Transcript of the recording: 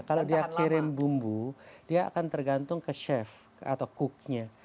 kalau dia kirim bumbu dia akan tergantung ke chef atau cooknya